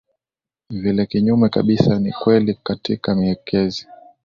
Vile kinyume kabisa ni kweli katika miezi